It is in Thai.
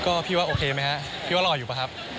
ก็พี่ว่าโอเคไหมฮะพี่ว่าหล่ออยู่ป่ะครับ